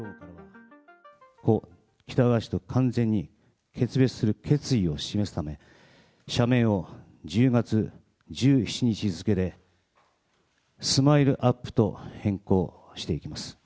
故・喜多川氏と完全に決別する決意を示すため、社名を１０月１７日付でスマイルアップと変更していきます。